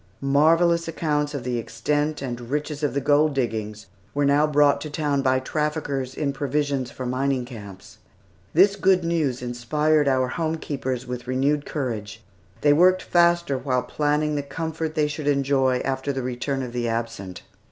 Marvellous accounts of the extent and richness of the gold diggings were now brought to town by traffickers in provisions for mining camps. This good news inspired our home keepers with renewed courage. They worked faster while planning the comfort they should enjoy after the return of the absent.